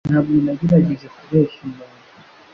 Ntabwo nagerageje kubeshya umuntu.